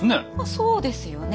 そうですよね。